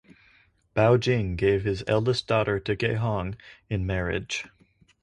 Bao Jing gave his eldest daughter to Ge Hong in marriage.